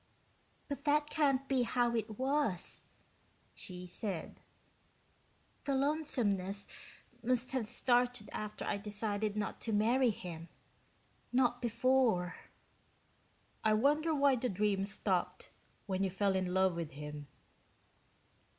"But that can't be how it was," she said. "The lonesomeness must have started after I decided not to marry him, not before." "I wonder why the dream stopped when you fell in love with him."